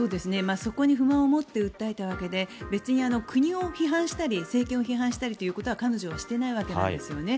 そこに不満を持って訴えたわけで別に国を批判したり政権を批判したりということは彼女はしていないわけなんですよね。